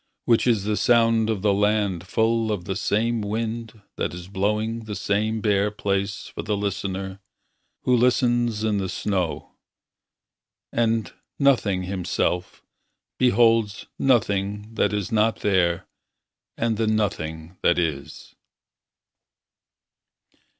Which is the sound of the land Full of the same wind That is blowing the same bare place For the listener, who listens in the snow. And, nothing himself, beholds Nothing that is not there and the nothing that is.